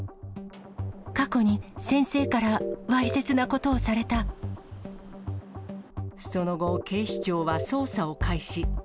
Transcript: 過去に先生からわいせつなこその後、警視庁は捜査を開始。